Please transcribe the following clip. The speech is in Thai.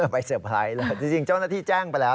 ไปเซอร์ไพรส์แล้วจริงเจ้าหน้าที่แจ้งไปแล้ว